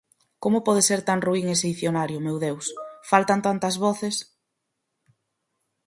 Como pode ser tan ruín ese dicionario, meu Deus! Faltan tantas voces...